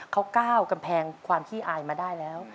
เขาก้าวกำแพงความขี้อายมาได้แล้ว